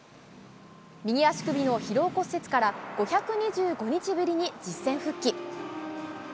右足首の疲労骨折から５２５日ぶりに実戦復帰。